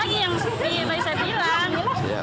kalau perlu dihukum lagi yang sepi tadi saya bilang